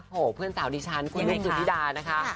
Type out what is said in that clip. โธ่เพื่อนสาวดิชันคือลูกสุดีดานะคะ